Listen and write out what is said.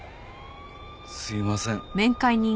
すいません。